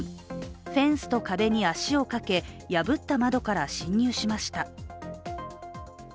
フェンスと壁に足をかけ破った窓から侵入しました。